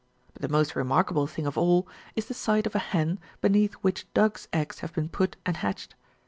But the most remarkable thing of all, is the sight of a hen, beneath which ducks' eggs have been put and hatched.